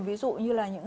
ví dụ như là những